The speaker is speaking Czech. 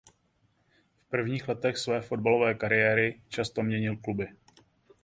V prvních letech své fotbalové kariéry často měnil kluby.